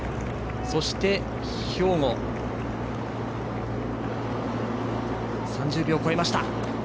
兵庫、３０秒を超えました。